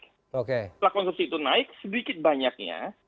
setelah konstruksi itu naik sedikit banyaknya